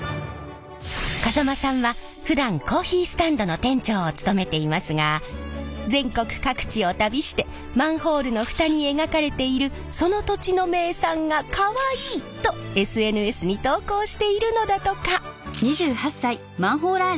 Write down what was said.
風間さんはふだんコーヒースタンドの店長を務めていますが全国各地を旅してマンホールの蓋に描かれている「その土地の名産がかわいい」とＳＮＳに投稿しているのだとか。